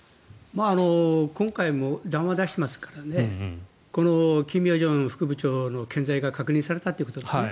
今回も談話を出してますからね金与正副部長の健在が確認されたということですね。